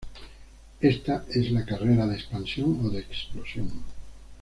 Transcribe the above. Esta es la carrera de expansión o de explosión.